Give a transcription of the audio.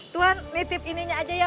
tuhan nih tip ininya aja ya